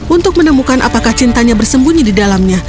untuk menemukan apakah cintanya bersembunyi di dalamnya